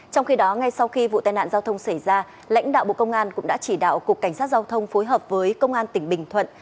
trong khi đó ngay sau khi vụ tai nạn giao thông xảy ra lãnh đạo bộ công an cũng đã chỉ đạo cục cảnh sát giao thông phối hợp với công an tỉnh bình thuận